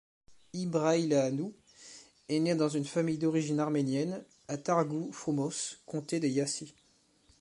Ibrăileanu est né dans une famille d'origine arménienne, à Târgu Frumos, comté de Iași.